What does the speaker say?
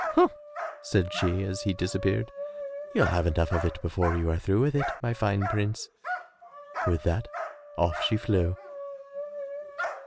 "Humph," said she as he disappeared, "you'll have enough of it before you are through with it, my fine prince." With that off she flew.